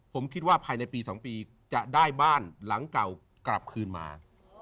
ผมคิดว่าภายในปี๒ปีจะได้บ้านหลังเก่ากลับคืนมา